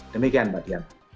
demikian mbak dian